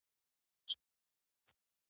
ورځي تیري په خندا شپې پر پالنګ وي .